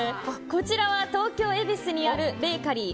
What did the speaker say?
こちらは東京・恵比寿にあるベーカリー